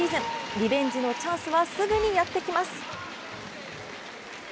リベンジのチャンスはすぐにやってきます。